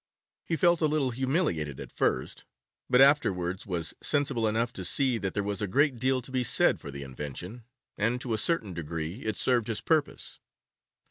He felt a little humiliated at first, but afterwards was sensible enough to see that there was a great deal to be said for the invention, and, to a certain degree, it served his purpose.